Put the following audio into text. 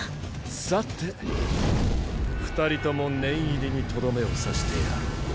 さて二人とも念入りにとどめを刺してやろう。